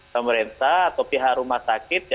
pemerintah atau pihak rumah sakit